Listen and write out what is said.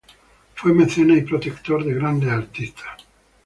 Fue mecenas y protector de grandes artistas.